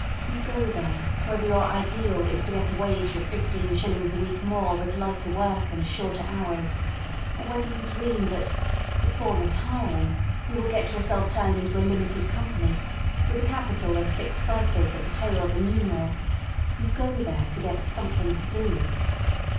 You go there, whether your ideal is to get a wage of fifteen shillings a week more with lighter work and shorter hours, or whether you dream that before retiring" you will get yourself turned into a limited company with a capital of six cyphers at the tail of a numeral — you go there to get something to do.